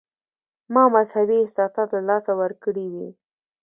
ما مذهبي احساسات له لاسه ورکړي وي.